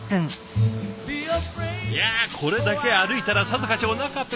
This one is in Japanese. いやこれだけ歩いたらさぞかしおなかペコペコでしょう！